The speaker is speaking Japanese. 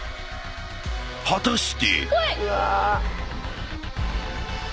［果たして］